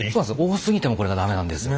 多すぎてもこれがダメなんですよ。